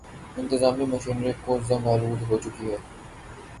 انتظامی مشینری گو زنگ آلود ہو چکی ہے۔